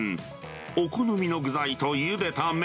お好みの具材とゆでた麺。